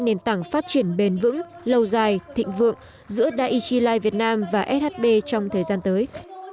để tạo ra nền tảng phát triển bền vững lâu dài thịnh vượng giữa dai chi life việt nam và shb trong thời gian tới